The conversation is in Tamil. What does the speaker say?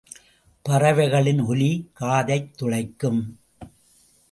பறவைகளின் ஒலி காதைத் துளைக்கும்.